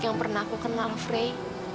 yang pernah aku kenal frey